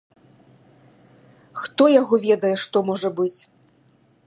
Хто яго ведае, што можа быць.